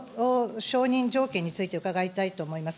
承認条件について伺いたいと思います。